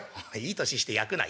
「いい年してやくな」。